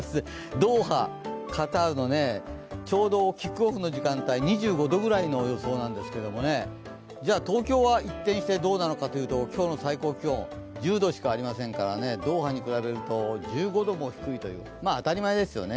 ドーハ、カタールのちょうどキックオフの時間帯、２５度ぐらいの予想なんですけどもね東京は一転してどうなのかというと、今日の最高気温１０度しかありませんからドーハに比べると１５度も低いという、当たり前ですよね